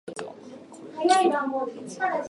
明日外へ行く。